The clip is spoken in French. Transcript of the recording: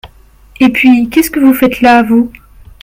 Et puis, qu’est-ce que vous faites là, vous ?